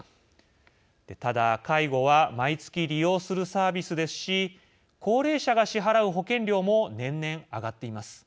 ただ介護は毎月利用するサービスですし高齢者が支払う保険料も年々上がっています。